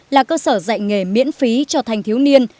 là cơ sở dạy nghề miễn phí cho thanh thiếu niên